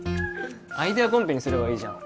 アイデアコンペにすればいいじゃん